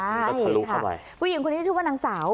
แล้วก็ทะลุเข้าไปผู้หญิงคนนี้ชื่อว่านางสาว